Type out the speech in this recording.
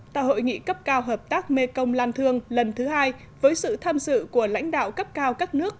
tại hội nghị cấp cao hợp tác mekong lan thương lần thứ hai với sự tham dự của lãnh đạo cấp cao các nước